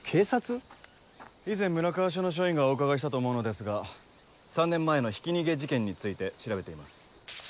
以前村川署の署員がお伺いしたと思うのですが３年前のひき逃げ事件について調べています。